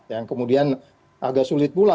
yang kemudian agak sulit pula